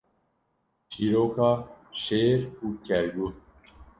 Çîroka Şêr û Kerguh